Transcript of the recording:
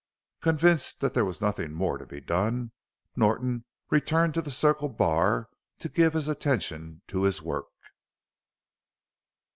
Convinced that there was nothing more to be done, Norton returned to the Circle Bar to give his attention to his work.